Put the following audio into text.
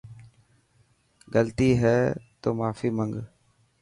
غلطي هي تو ماني منگ.